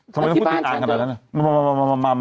ปุ๊กเธอไงละ